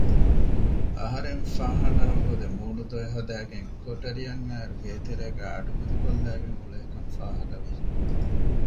އަހަރެން ފާހާނާއަށްވަދެ މޫނު ދޮވެ ހަދައިގެން ކޮޓަރިއަށް އައިއިރު ގޭތެރޭގައި އަޑުގަދަކޮށްލައިގެން އުޅޭކަން ފާހަގަވި